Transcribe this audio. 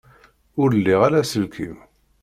Ur liɣ ara aselkim.